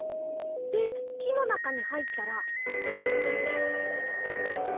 で木の中に入ったら。